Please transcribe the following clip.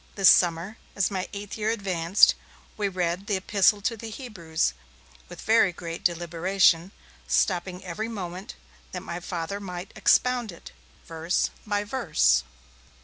This summer, as my eighth year advanced, we read the 'Epistle to the Hebrews', with very great deliberation, stopping every moment, that my Father might expound it, verse by verse.